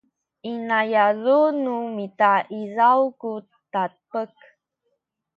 i niyazu’ nu mita izaw ku dabek